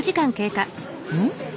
うん？